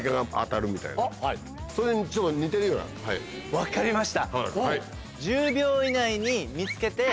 分かりました。